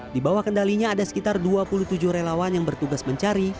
di bawah kendalinya ada sekitar dua puluh tujuh relawan yang bertugas mencari